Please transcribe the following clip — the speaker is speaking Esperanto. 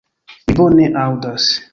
Mi bone aŭdas.